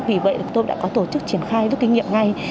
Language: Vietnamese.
vì vậy thì tôi đã có tổ chức triển khai với kinh nghiệm ngay